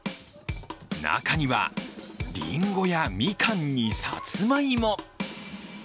中にはりんごやみかんにさつまいも。